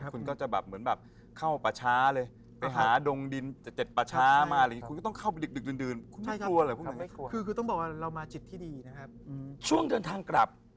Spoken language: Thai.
พี่ผ่มเรียดผ่มอบล่างทางกลับ